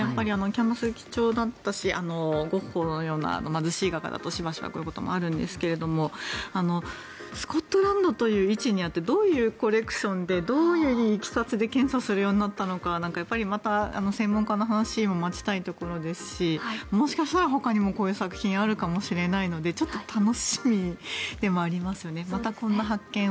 キャンバス、貴重だったしゴッホのような貧しい画家だと、しばしばこういうこともあるんですがスコットランドという位置にあってどういうコレクションでどういういきさつで検査するようになったのかまた専門家の話も待ちたいところですしもしかしたらほかにもこういう作品があるかもしれないのでちょっと楽しみでもありますね。